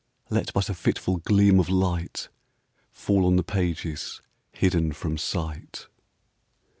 Let but a fitful gleam of light Fall on the pages hidden from sight.